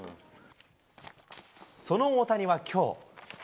その大谷はきょう。